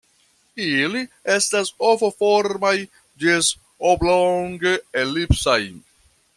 Ili estas ovoformaj ĝis oblonge-elipsaj.